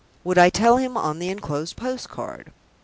Would I tell him on the enclosed postcard?